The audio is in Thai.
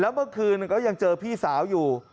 เมื่อคืนก็ยังเจอพี่สาวอยู่